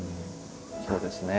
そうですね。